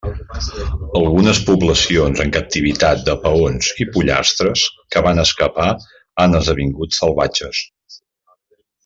Algunes poblacions en captivitat de paons i pollastres que van escapar han esdevingut salvatges.